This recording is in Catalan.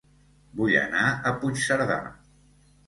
Vull anar a Puigcerdà